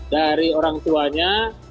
dari orang tuanya